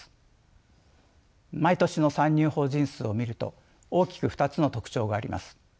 毎年の参入法人数を見ると大きく２つの特徴があります。